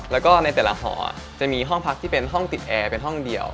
แล้วก็ในแต่ละหอจะมีห้องพักที่เป็นห้องติดแอร์เป็นห้องเดียว